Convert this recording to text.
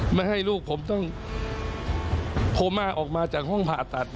ไม่ให้ลูกผมต้องโทรมาออกมาจากห้องผ่าตัด